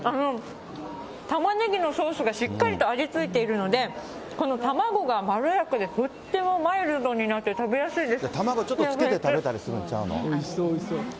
タマネギのソースがしっかりと味ついているので、この卵がまろやかでとってもマイルドになって食べやすいです。